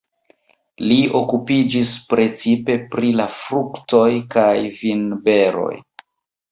Li okupiĝis precipe pri la fruktoj kaj vinberoj.